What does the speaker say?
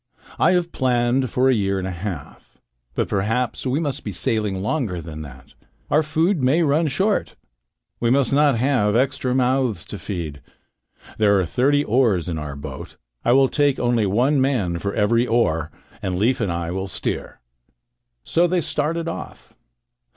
I have planned for half a year. But perhaps we must be sailing longer than that. Our food may run short. We must not have extra mouths to feed. There are thirty oars in our boat. I will take only one man for every oar, and Leif and I will steer." So they started off.